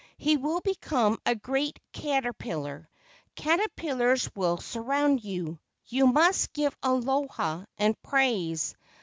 He will become a great cater¬ pillar. Caterpillars will surround you. You must give 'Aloha' and praise.